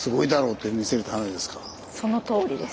そのとおりです。